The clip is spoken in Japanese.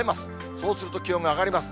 そうすると気温が上がります。